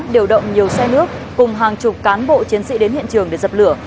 điều động nhiều xe nước cùng hàng chục cán bộ chiến sĩ đến hiện trường để dập lửa